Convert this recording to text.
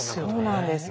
そうなんです。